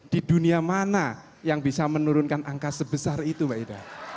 di dunia mana yang bisa menurunkan angka sebesar itu mbak ida